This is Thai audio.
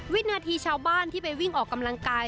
วินาทีชาวบ้านที่ไปวิ่งออกกำลังกาย